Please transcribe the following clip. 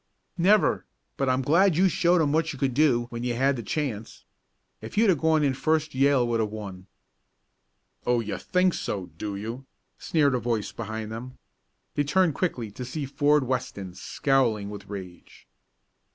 "Never! But I'm glad you showed 'em what you could do when you had the chance. If you'd gone in first Yale would have won!" "Oh, you think so do you?" sneered a voice behind them. They turned quickly, to see Ford Weston, scowling with rage.